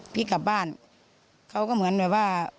พี่กลับบ้านเขาก็เหมือนแบบว่า